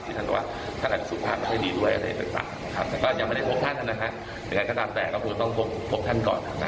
ก็ตกใจเหมือนกันนะครับว่า